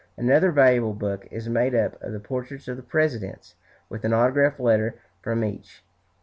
Another valuable book is made up of the portraits of the presidents, with an autograph letter from each.